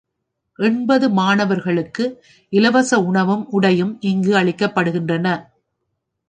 எண்பது மாணவர்களுக்கு இலவச உணவும் உடையும் இங்கு அளிக்கப்படுகின்றன.